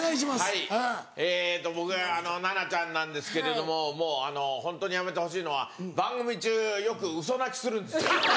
はいえっと僕奈々ちゃんなんですけれどももうホントにやめてほしいのは番組中よくウソ泣きするんですよ。